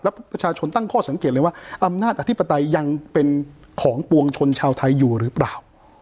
แล้วประชาชนตั้งข้อสังเกตเลยว่าอำนาจอธิปไตยยังเป็นของปวงชนชาวไทยอยู่หรือเปล่า